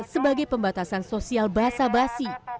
sebagai pembatasan sosial banyak